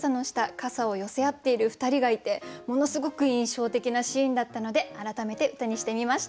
肩を寄せ合っている２人がいてものすごく印象的なシーンだったので改めて歌にしてみました。